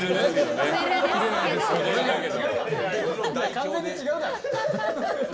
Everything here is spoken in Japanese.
完全に違うだろ。